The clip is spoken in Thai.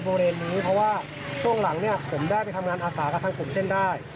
เพราะว่าช่วงหลังเนี่ยผมได้ไปทำงานอาศัยกับทางกลุ่มเช่นได้